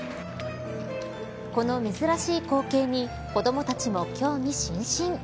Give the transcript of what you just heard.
この珍しい光景に子どもたちも興味津々。